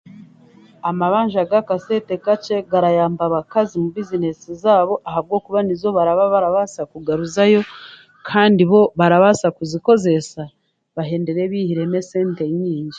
Amabanja g'akasente kakye garayamba abakazi omu bizineesi zaabo ahabwokuba nizo ezibarababarabaasa kugaruzayo kandi bo barabaasa kuzikoreesa bahendere baihiremu esente nyaingi